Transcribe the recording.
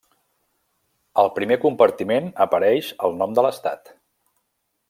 Al primer compartiment apareix el nom de l'estat.